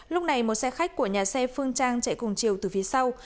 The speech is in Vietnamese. lúc này một xe khách của nhà xe phương trang chạy cùng chiều từ phía sau